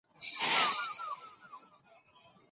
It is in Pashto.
که فزیکي ځواک وي امنیت ټینګیږي.